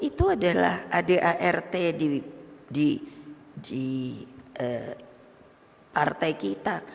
itu adalah adart di partai kita